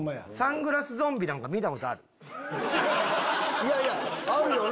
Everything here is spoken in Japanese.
いやいやあるよな？